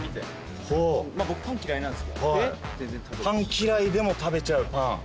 パン嫌いでも食べちゃうパン？